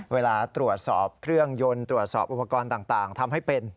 เวลาตรวจสอบเครื่องยนต์ตรวจสอบอุปกรณ์ต่างทำให้เป็น